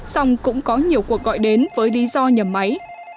xong cũng có nhiều cuộc gọi đến với lý do nhầm máy